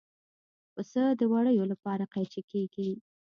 پسه د وړیو لپاره قیچي کېږي.